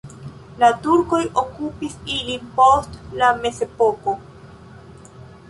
La turkoj okupis ilin post la mezepoko.